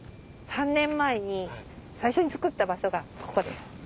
３年前に最初に作った場所がここです。